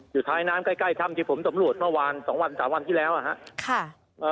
อยู่ท้ายน้ำใกล้ใกล้ทำที่ผมสำรวจเมื่อวานสองวันสามวันที่แล้วอ่ะฮะค่ะ